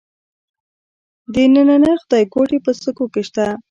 د ننه خدایګوټې په سکو کې شته